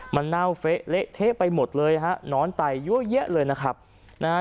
มันเน่าเฟะเละเทะไปหมดเลยฮะนอนไตยั่วแยะเลยนะครับนะฮะ